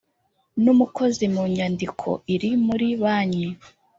n’umukozi mu nyandiko iri muri banki